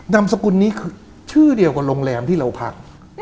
นามสกุลนี้คือชื่อเดียวกับโรงแรมที่เราพัก